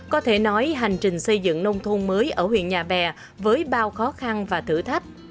có thể nói hành trình xây dựng nông thôn mới ở huyện nhà bè với bao khó khăn và thử thách